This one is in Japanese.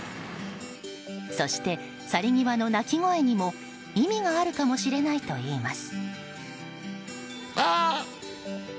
そして、去り際の鳴き声にも意味があるかもしれないといいます。